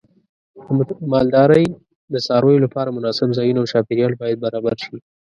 د مالدارۍ د څارویو لپاره مناسب ځایونه او چاپیریال باید برابر شي.